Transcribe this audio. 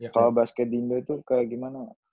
kalo basket di indo tuh kayak gimana